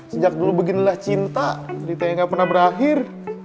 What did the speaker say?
sejak dulu beginilah cinta cerita yang ga pernah berakhir